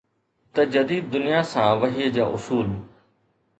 ته جديد دنيا سان وحي جا اصول